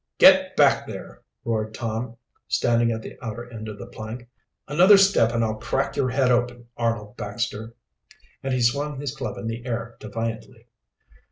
"Get back there!" roared Tom, standing at the outer end of the plank. "Another step and I'll crack your head open, Arnold Baxter!" And he swung his club in the air defiantly.